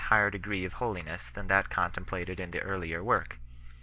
higher degree of holiness than that contemplated in the earlier work.